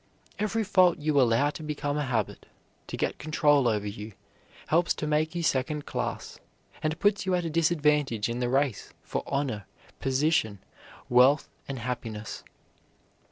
Every fault you allow to become a habit, to get control over you, helps to make you second class, and puts you at a disadvantage in the race for honor, position, wealth, and happiness.